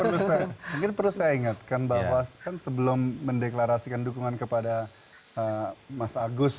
mungkin perlu saya ingatkan bahwa kan sebelum mendeklarasikan dukungan kepada mas agus